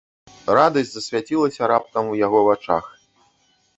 Радасць засвяцілася раптам у яго вачах.